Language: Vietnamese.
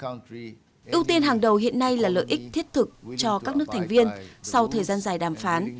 ưu tiên hàng đầu hiện nay là lợi ích thiết thực cho các nước thành viên sau thời gian dài đàm phán